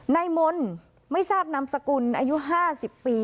นายมนต์ไม่ทราบนามสกุลอายุ๕๐ปี